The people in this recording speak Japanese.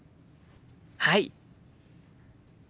はい。